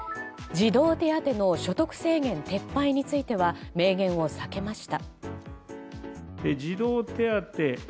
児童手当の所得制限撤廃については明言を避けました。